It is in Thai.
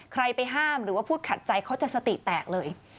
ไปห้ามหรือว่าพูดขัดใจเขาจะสติแตกเลย